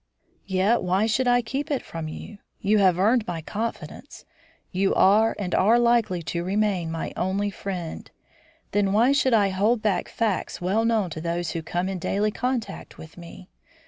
"Yet why should I keep it from you? You have earned my confidence. You are, and are likely to remain, my only friend; then why should I hold back facts well known to those who come in daily contact with me?